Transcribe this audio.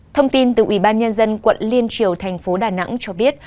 thông tin từ ủy ban nhân dân quận liên triều thành phố đà nẵng cho biết